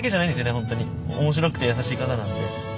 本当に面白くて優しい方なんで。